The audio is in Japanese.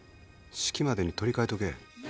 式までに取りかえとけ。